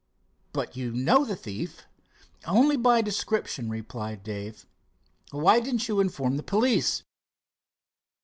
"But you know the thief?" "Only by description," replied Dave. "Why didn't you inform the police?"